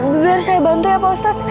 biar saya bantu ya pak ustaz